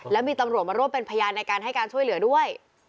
แล้วมีตำรวจมาร่วมเป็นพยานในการให้การช่วยเหลือด้วย